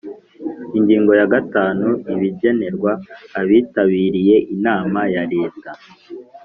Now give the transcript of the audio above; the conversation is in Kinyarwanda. Ingingo ya gatanu Ibigenerwa abitabiriye inama ya leta